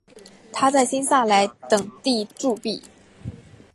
他在新萨莱等地铸币。